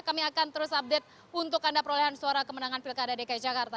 kami akan terus update untuk anda perolehan suara kemenangan pilkada dki jakarta